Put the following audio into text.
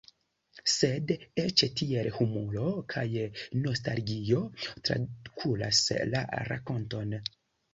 Sed eĉ tiel humuro kaj nostalgio trakuras la rakonton.